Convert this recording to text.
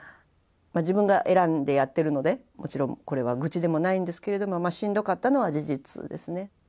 自分が選んでやってるのでもちろんこれは愚痴でもないんですけれどもしんどかったのは事実ですね。